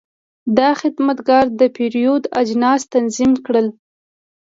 دا خدمتګر د پیرود اجناس تنظیم کړل.